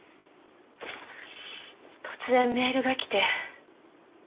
突然メールがきて。